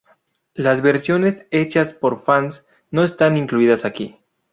Las versiones hechas por fans no están incluidas aquí.